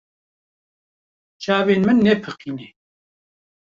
Çavên min nepixîne.